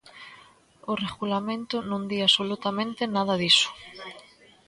O Regulamento non di absolutamente nada diso.